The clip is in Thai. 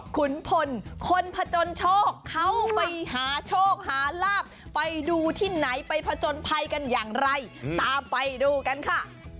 ขุนพลคนผจญโชคเขาไปหาโชคหาลาบไปดูที่ไหนไปผจญภัยกันอย่างไรตามไปดูกันค่ะ